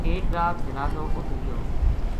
ایک رات جنازو اُت رہیو